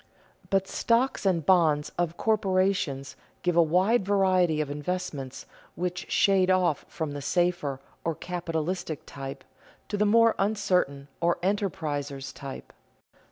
But stocks and bonds of corporations give a wide variety of investments which shade off from the safer or capitalistic type, to the more uncertain, or enterpriser's type.